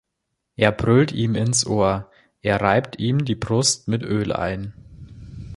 Er brüllt ihm ins Ohr, er reibt ihm die Brust mit Öl ein.